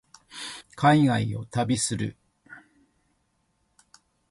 海外を旅する